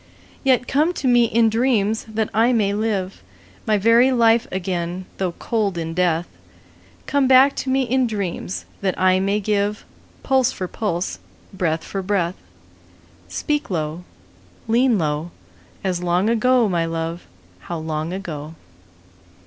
Yet come to me in dreams, that I may live My very life again though cold in death: Come back to me in dreams, that I may give Pulse for pulse, breath for breath: Speak low, lean low, As long ago, my love, how long ago!